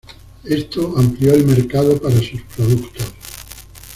Esto amplió el mercado para sus productos.